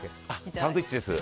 サンドイッチです。